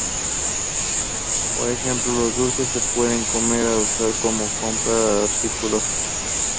Por ejemplo, los dulces se pueden comer o usar para comprar artículos.